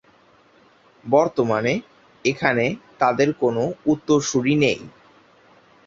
বর্তমানে এখানে তাদের কোনো উত্তরসূরি নেই।